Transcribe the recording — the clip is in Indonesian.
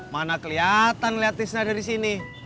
mana keliatan liat tisna dari sini